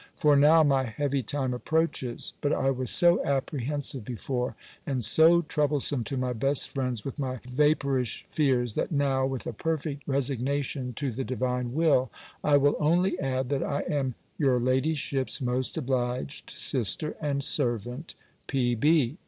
For now my heavy time approaches. But I was so apprehensive before, and so troublesome to my best friends, with my vapourish fears, that now (with a perfect resignation to the Divine Will) I will only add, that I am your ladyship's most obliged sister and servant, P.